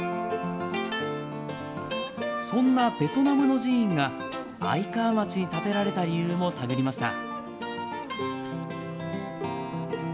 そんなベトナムの寺院が愛川町に建てられた理由も探りました。